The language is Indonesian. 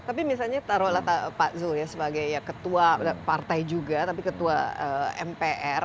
tapi misalnya taruh latar pak zul sebagai ketua partai juga tapi ketua mpr